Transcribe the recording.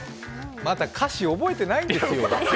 また、歌詞覚えてないんですよ。